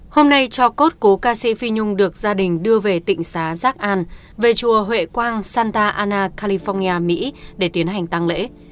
hôm nay cho cốt cố ca sĩ phi nhung được gia đình đưa về tịnh xá giác an về chùa huệ quang santa ana california mỹ để tiến hành tăng lễ